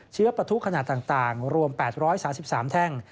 เชื้อประทุขนาดต่างรวม๘๓๓แท่ง